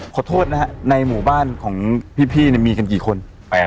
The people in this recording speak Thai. ขอโทษนะฮะในหมู่บ้านของพี่มีกันกี่คน